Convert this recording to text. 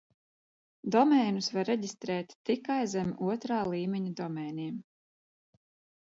Domēnus var reģistrēt tikai zem otrā līmeņa domēniem.